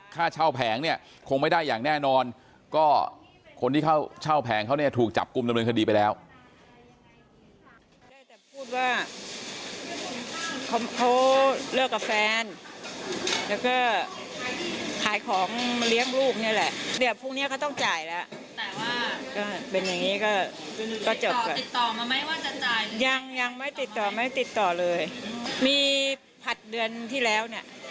ค่าเช่าแผงเนี่ยคงไม่ได้อย่างแน่นอนก็คนที่เข้าเช่าแผงเขาเนี่ยถูกจับกลุ่มดำเนินคดีไปแล้ว